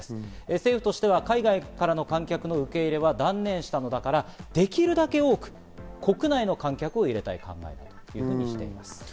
政府としては海外からの観客の受け入れは断念したのだから、できるだけ多く国内の観客を入れたい考えだということです。